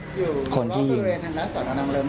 อยู่บ้านก็เรียนนะสอนอนังเลิ้ง